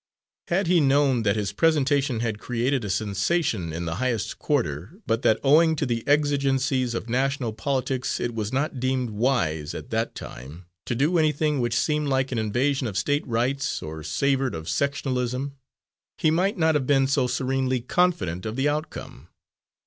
Had he known that his presentation had created a sensation in the highest quarter, but that owing to the exigencies of national politics it was not deemed wise, at that time, to do anything which seemed like an invasion of State rights or savoured of sectionalism, he might not have been so serenely confident of the outcome.